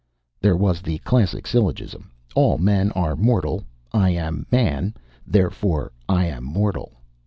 There was the classic syllogism: _All men are mortal; I am a man; therefore, I am mortal.